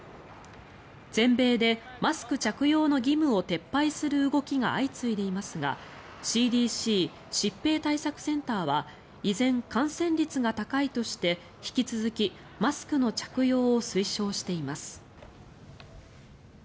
全米でマスク着用の義務を撤廃する動きが相次いでいますがＣＤＣ・疾病対策センターは依然、感染率が高いとして引き続きマスクの着用を推奨しています。